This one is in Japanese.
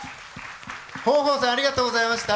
豊豊さんありがとうございました。